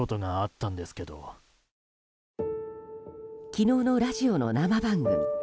昨日のラジオの生番組。